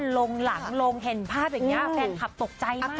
ลงหลังลงเห็นภาพอย่างเงี้ยแฟนคับตกใจมากเลยน่ะ